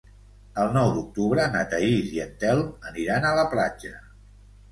El nou d'octubre na Thaís i en Telm aniran a la platja.